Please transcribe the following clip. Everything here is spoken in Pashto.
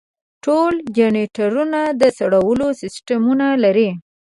ټول جنریټرونه د سړولو سیستمونه لري.